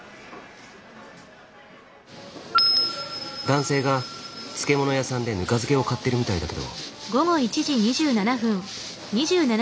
男性が漬物屋さんでぬか漬けを買ってるみたいだけど。